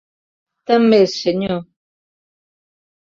Tant m'és, senyor.